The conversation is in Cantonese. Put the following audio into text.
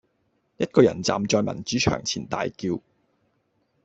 一個人站在民主牆前大叫